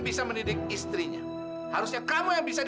sekarang kita luar kota